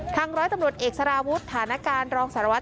ร้อยตำรวจเอกสารวุฒิฐานการรองสารวัต